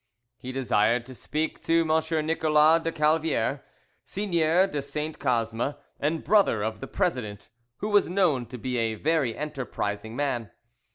He desired to speak to M. Nicolas de Calviere, seigneur de St. Cosme, and brother of the president, who was known to be a very enterprising man.